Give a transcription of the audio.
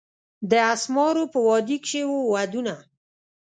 د اسمارو په وادي کښي وو ودونه